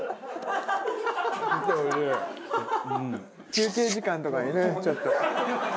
休憩時間とかにねちょっと。